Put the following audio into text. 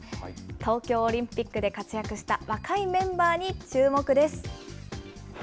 東京オリンピックで活躍した若いメンバーに注目です。